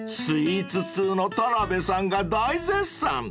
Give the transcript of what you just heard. ［スイーツ通の田辺さんが大絶賛！］